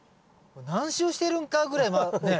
何周してるんかぐらいねっ。